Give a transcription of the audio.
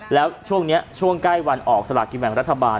แล้วช่วงนี้ช่วงใกล้วันออกสลากกินแบ่งรัฐบาล